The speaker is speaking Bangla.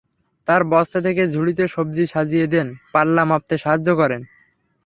তাঁরা বস্তা থেকে ঝুড়িতে সবজি সাজিয়ে দেন, পাল্লা মাপতে সাহায্য করেন।